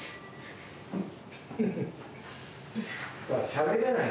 しゃべれない。